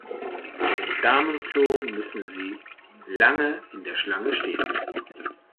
Vor dem Damenklo müssen Sie lange in der Schlange stehen.